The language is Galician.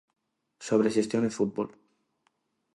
Sobre xestión e fútbol.